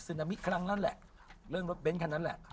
ซึนามิคครั้งนั้นแหละเรื่องรถเบนท์ครั้งนั้นแหละ